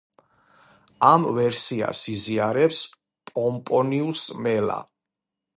ამ ვერსიას იზიარებს პომპონიუს მელა.